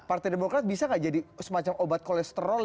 partai demokrat bisa nggak jadi semacam obat kolesterol